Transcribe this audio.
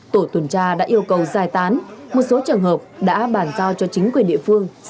tổ tuần tra xã phước đồng quá trình tuần tra làm nhiệm vụ